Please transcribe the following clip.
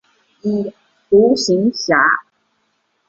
独行侠。